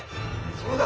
そうだ！